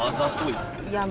いや